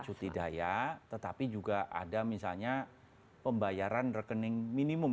cuti daya tetapi juga ada misalnya pembayaran rekening minimum